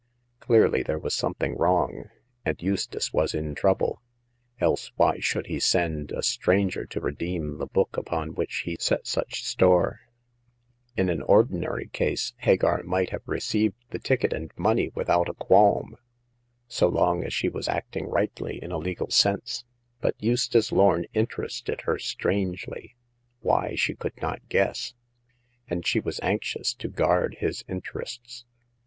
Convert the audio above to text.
Clearly there was something wrong, and Eustace was in trouble, else why should he send a stran ger to redeem the book upon which he set such store ? In an ordinary case, Hagar might have received the ticket and money without a qualm, so long as she was acting rightly in a legal sense ; but Eustace Lorn interested her strangely — why, she could not guess— and she was anxious to guard his interests.